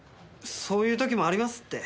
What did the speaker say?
そういう時もありますって。